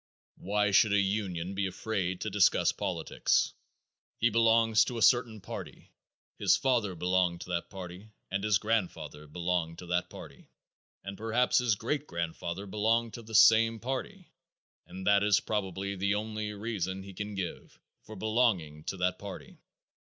Why should a union man be afraid to discuss politics? He belongs to a certain party; his father belonged to that party and his grandfather belonged to that party, and perhaps his great grandfather belonged to the same party, and that is probably the only reason he can give for belonging to that party.